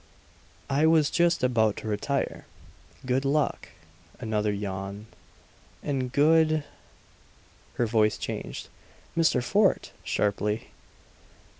"I was just about to retire. Good luck" another yawn "and good " Her voice changed. "Mr. Fort!" sharply.